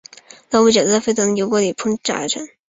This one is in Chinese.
萝卜饺子在沸腾的油锅里烹炸而成。